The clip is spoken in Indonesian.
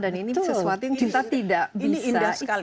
dan ini sesuatu yang kita tidak bisa